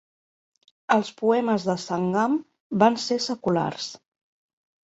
Els poemes de Sangam van ser seculars.